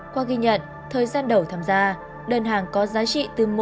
qua ghi nhận thời gian đầu tham gia đơn hàng có giá trị tương tự